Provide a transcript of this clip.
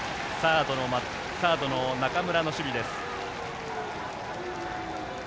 サードの中村の守備です。